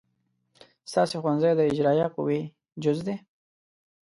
ستاسې ښوونځی د اجرائیه قوې جز دی.